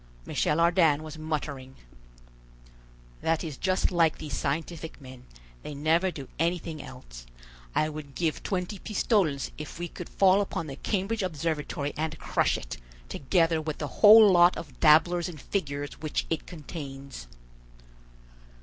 Michel Ardan was muttering: "That is just like these scientific men: they never do anything else. I would give twenty pistoles if we could fall upon the Cambridge Observatory and crush it, together with the whole lot of dabblers in figures which it contains."